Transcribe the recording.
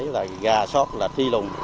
là gà sót là tri lùng